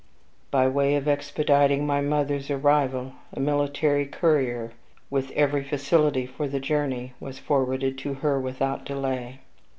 By way of expediting my mother's arrival, a military courier, with every facility for the journey, was forwarded to her without delay.